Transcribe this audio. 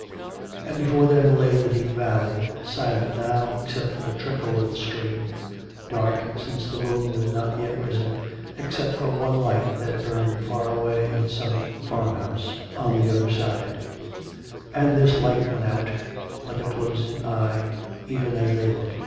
And before them lay the deep valley — silent now except for the trickle of the stream; dark (since the moon was not yet risen), except for one light that burned far away in some farm house on the other side; and this light went out, like a closing eye, even as they looked.